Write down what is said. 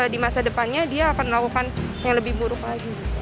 di masa depannya dia akan melakukan yang lebih buruk lagi